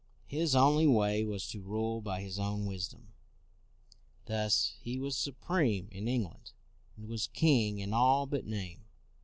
His only way was to rule by his own wisdom. Thus he was supreme in England, and was king in all but name.